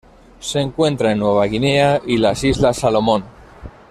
Se encuentra en Nueva Guinea y las islas Salomón.